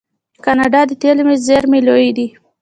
د کاناډا د تیلو زیرمې لویې دي.